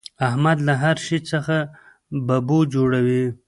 احمد له هر شي څخه ببو جوړوي.